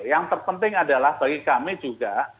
yang terpenting adalah bagi kami juga